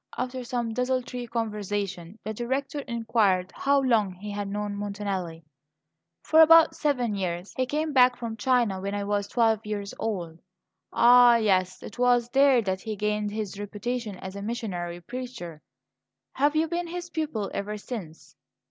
After some desultory conversation, the Director inquired how long he had known Montanelli. "For about seven years. He came back from China when I was twelve years old." "Ah, yes! It was there that he gained his reputation as a missionary preacher. Have you been his pupil ever since?"